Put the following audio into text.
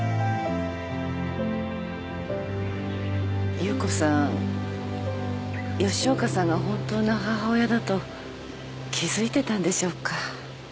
夕子さん吉岡さんが本当の母親だと気付いてたんでしょうか。